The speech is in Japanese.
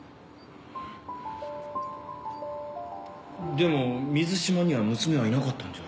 でも水島には娘はいなかったんじゃ？